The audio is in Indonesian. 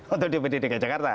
untuk dpd dki jakarta